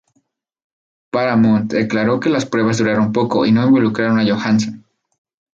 Paramount declaró que las pruebas duraron poco y no involucraron a Johansson.